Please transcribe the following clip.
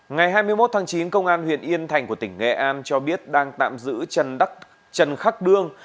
ngày hai mươi một tháng chín công an huyện yên thành của tỉnh nghệ an cho biết đang tạm giữ trần khắc đương